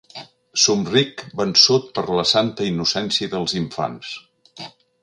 Somric, vençut per la santa innocència dels infants.